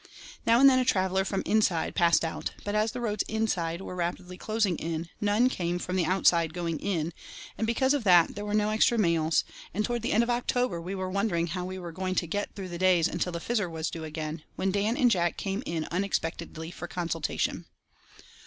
Now and then a traveller from "inside" passed out, but as the roads "inside" were rapidly closing in, none came from the Outside going in, and because of that there were no extra mails, and towards the end of October we were wondering how we were "going to get through the days until the Fizzer was due again," when Dan and Jack came in unexpectedly for a consultation.